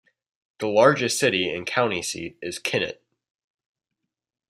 The largest city and county seat is Kennett.